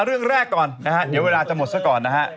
เรื่องแรกก่อนเดี๋ยวเวลาจะหมดซะก่อน